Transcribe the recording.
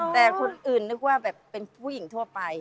แต่คนอื่นนึกว่าแบบเป็นผู้หญิงทั่วไป